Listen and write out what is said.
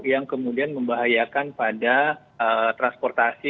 yang kemudian membahayakan pada transportasi